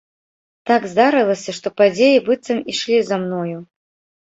Так здарылася, што падзеі быццам ішлі за мною.